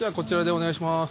お願いしまーす。